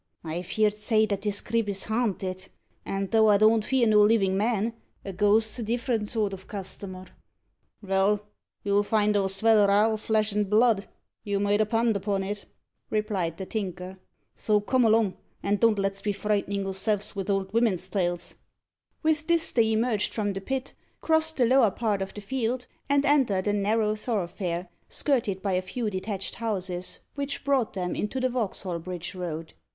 I've heerd say that this crib is haanted, and though I don't fear no livin' man, a ghost's a different sort of customer." "Vell, you'll find our svell raal flesh and blood, you may depend upon it," replied the Tinker. "So come along, and don't let's be frightenin' ourselves vith ould vimen's tales." With this they emerged from the pit, crossed the lower part of the field, and entered a narrow thoroughfare, skirted by a few detached houses, which brought them into the Vauxhall Bridge Road.